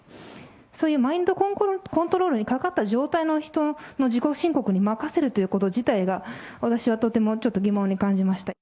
そういうマインドコントロールにかかった状態の人の自己申告に任せるということ自体が、私はとてもちょっと疑問に感じました。